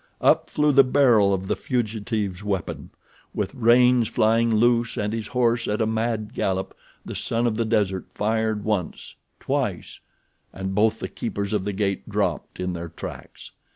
Up flew the barrel of the fugitive's weapon. With reins flying loose and his horse at a mad gallop the son of the desert fired once—twice; and both the keepers of the gate dropped in their tracks.